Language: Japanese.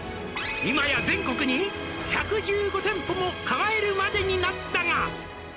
「今や全国に１１５店舗もかまえるまでになったが」